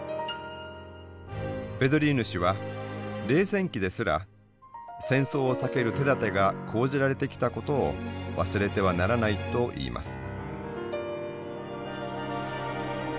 ヴェドリーヌ氏は冷戦期ですら戦争を避ける手だてが講じられてきたことを忘れてはならないといいます。